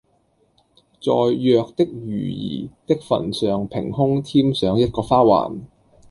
在《藥》的瑜兒的墳上平空添上一個花環，